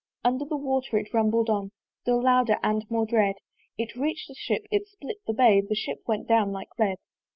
Under the water it rumbled on, Still louder and more dread: It reach'd the Ship, it split the bay; The Ship went down like lead.